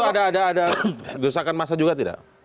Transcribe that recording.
saat itu ada dosakan masa juga tidak